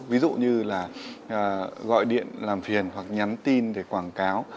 ví dụ như là gọi điện làm phiền hoặc nhắn tin để quảng cáo